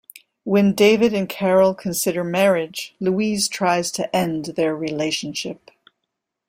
When David and Carol consider marriage, Louise tries to end their relationship.